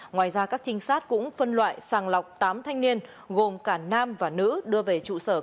ngoài ra các trinh sát cũng phân loại sàng lọc tám thanh niên gồm cả nam và nữ đưa về trụ sở